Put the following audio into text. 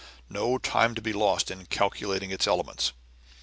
No time must be lost in calculating its elements.